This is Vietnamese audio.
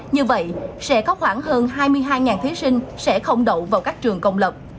như vậy sẽ có khoảng hơn hai mươi hai thí sinh sẽ không đậu vào các trường công lập